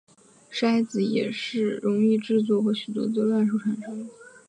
骰子也是容易制作和取得的乱数产生器。